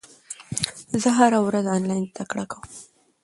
زه هره ورځ انلاین زده کړه کوم.